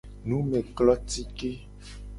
Numeklotike.